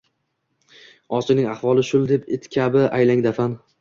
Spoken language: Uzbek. Osiyning axvoli shul deb it kabi aylang dafan: